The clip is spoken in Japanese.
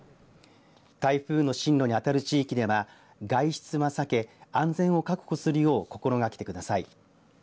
台風の進路にあたる地域では外出は避け、安全を確保するよう心がけてください。